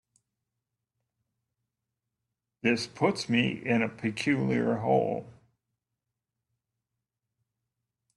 This puts me in a peculiar hole.